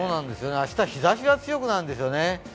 明日は日ざしが強くなるんですよね。